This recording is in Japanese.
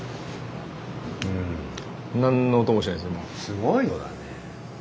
すごいのだね。